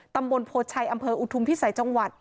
ตำบลโพชัยอำเภออุทุมพิสัยจังหวัด